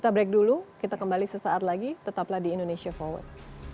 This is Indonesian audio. kita break dulu kita kembali sesaat lagi tetaplah di indonesia forward